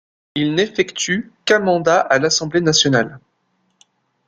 Il n’effectue qu’un mandat à l’Assemblée nationale.